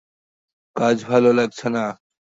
কাজ ভালো লাগছে না?